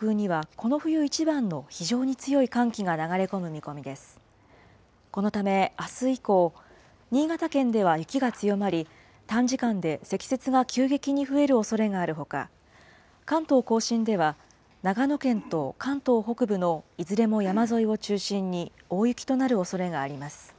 このため、あす以降、新潟県では雪が強まり、短時間で積雪が急激に増えるおそれがあるほか、関東甲信では、長野県と関東北部のいずれも山沿いを中心に大雪となるおそれがあります。